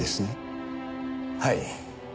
はい。